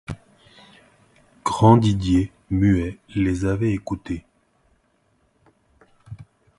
Grandidier, muet, les avait écoutés.